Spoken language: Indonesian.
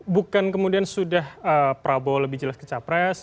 bukan kemudian sudah prabowo lebih jelas ke capres